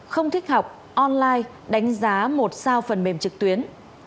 không thích học online đánh giá một sao phần mềm trực tuyến